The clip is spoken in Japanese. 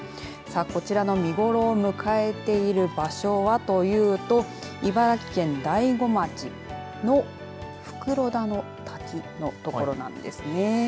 こちらの見頃を迎えている場所はというと茨城県大子町の袋田の滝の所なんですね。